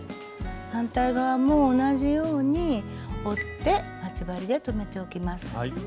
反対側も同じように折って待ち針で留めておきます。